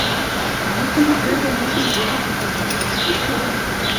Мы, калі трэба, можам зубы паказаць.